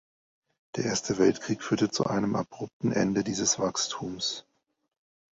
Der Erste Weltkrieg führte zu einem abrupten Ende dieses Wachstums.